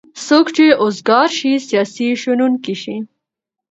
څوک چې اوزګار شی سیاسي شنوونکی شي.